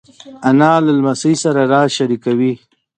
انا له لمسۍ سره راز شریکوي